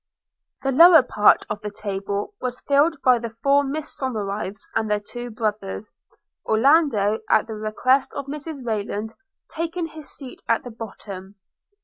The lower part of the table was filled by the four Miss Somerives and their two brothers; Orlando, at the request of Mrs Rayland, taking his seat at the bottom.